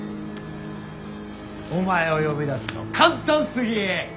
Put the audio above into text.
お前を呼び出すの簡単すぎ。